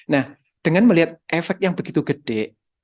nah dengan melihat efek yang begitu gede